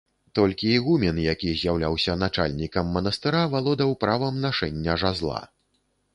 Толькі ігумен, які з'яўляўся начальнікам манастыра, валодаў правам нашэння жазла.